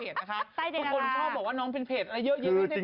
ทุกคนชอบ๗๒๑ว่าน้องเป็นเพจ